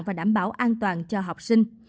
và đảm bảo an toàn cho học sinh